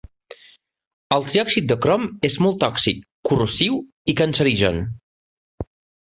El triòxid de crom és molt tòxic, corrosiu i cancerigen.